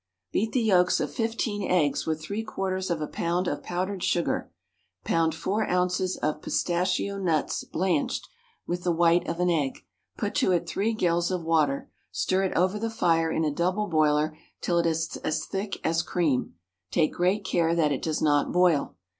_ Beat the yolks of fifteen eggs with three quarters of a pound of powdered sugar; pound four ounces of pistachio nuts (blanched) with the white of an egg; put to it three gills of water; stir it over the fire in a double boiler till it is as thick as cream; take great care that it does not boil.